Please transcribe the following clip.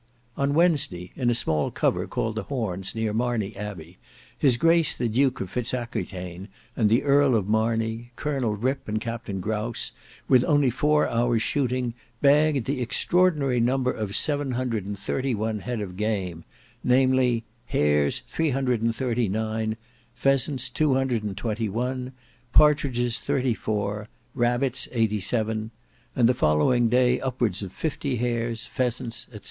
On Wednesday, in a small cover called the Horns, near Marney Abbey, his grace the Duke of Fitz Aquitaine, the Earl of Marney, Colonel Rippe and Captain Grouse, with only four hours shooting, bagged the extraordinary number of seven hundred and thirty head of game, namely hares three hundred and thirty nine; pheasants two hundred and twenty one; partridges thirty four; rabbits eighty seven; and the following day upwards of fifty hares, pheasants, &c.